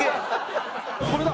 これだ。